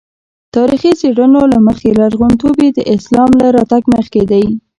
تاریخي څېړنو له مخې لرغونتوب یې د اسلام له راتګ مخکې دی.